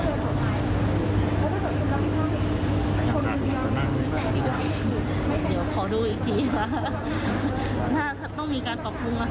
ต้องมีการปรับปรุงอ่ะค่ะเยอะแต่คือเนี้ยอันนี้ก็มาจากเชิงแสนอ่ะค่ะ